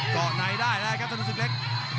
เกาะในได้แล้วครับถนนศึกเล็ก